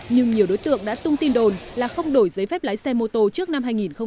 nhưng nhiều đối tượng đã tung tin đồn là không đổi giấy phép lái xe mô tô trước năm hai nghìn một mươi chín